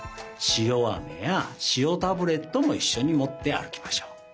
塩あめや塩タブレットもいっしょにもってあるきましょう。